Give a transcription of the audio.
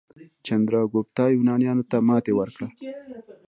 چندراګوپتا یونانیانو ته ماتې ورکړه.